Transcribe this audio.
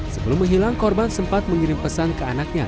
sebelum menghilang korban sempat mengirim pesan ke anaknya